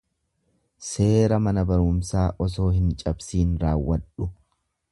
Seera mana barumsaa osoo hin cansiin raawwadhu.